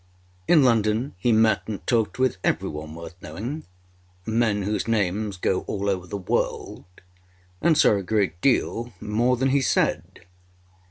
In London he met and talked with every one worth knowing men whose names go all over the world and saw a great deal more than he said.